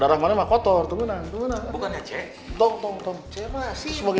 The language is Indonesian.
aku mau ngelakuin ini semua ya